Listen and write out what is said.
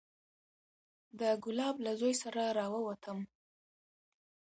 د ګلاب له زوى سره راووتم.